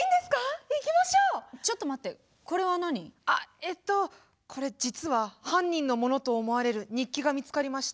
えっとこれ実は犯人のものと思われる日記が見つかりまして。